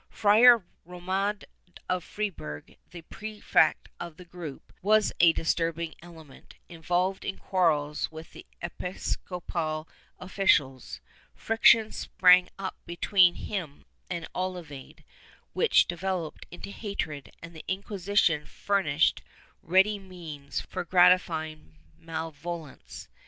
Friar Romuald of Freiburg, the prefect of the group, was a disturbing element, involved in quarrels with the episcopal officials; friction sprang up between him and Olavide, which developed into hatred, and the Inquisition furnished ready means for gratifying malevolence.